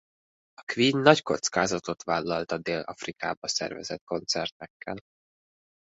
A Queen nagy kockázatot vállalt a Dél-Afrikába szervezett koncertekkel.